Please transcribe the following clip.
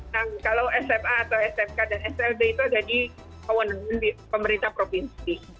nah kalau sfa atau sfk dan slb itu jadi pemerintah provinsi